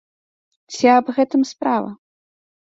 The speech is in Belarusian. Ці аб гэтым справа?